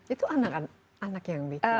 itu anak anak yang bikin